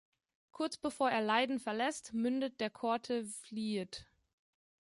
Kurz bevor er Leiden verlässt, mündet der Korte Vliet.